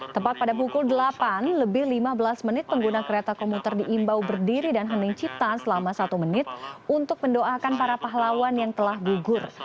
tepat pada pukul delapan lebih lima belas menit pengguna kereta komuter diimbau berdiri dan hening cipta selama satu menit untuk mendoakan para pahlawan yang telah gugur